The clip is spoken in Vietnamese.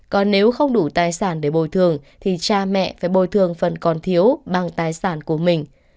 còn nếu không đủ tài sản để bồi thường thì cha mẹ phải bồi thường phần còn thiếu bằng tài sản của mình